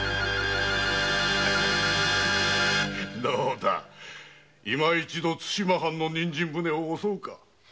どうだ今一度対馬藩の人参船を襲うか。